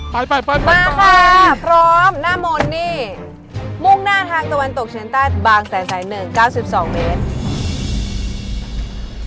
มาพ่อพร้อมนามนี่มุมหน้าทางตะวันตกเชียงใต้บางแสนสัย๑๙๒เมตร